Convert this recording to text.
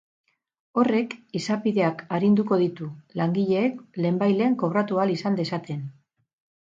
Horrek izapideak arinduko ditu, langileek lehenbailehen kobratu ahal izan dezaten.